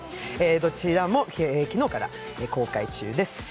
どちらも昨日から公開中です。